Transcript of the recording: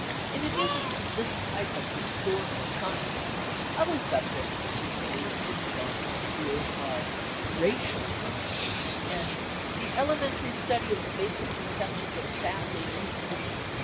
In addition to this type of historical science other subjects particularly insisted on for the schools are u racial science " and Cfi the elementary study of the basic conceptions of mmm&m aily research."